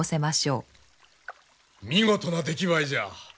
見事な出来栄えじゃ。